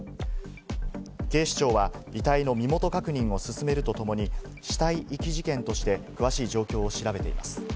警視庁は遺体の身元確認を進めるとともに死体遺棄事件として詳しい状況を調べています。